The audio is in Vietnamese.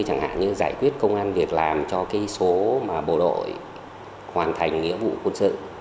chẳng hạn như giải quyết công an việc làm cho cái số mà bộ đội hoàn thành nghĩa vụ quân sự